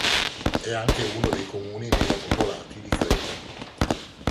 È anche uno dei comuni meno popolati di Creta.